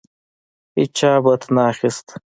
هیچا بت نه اخیست.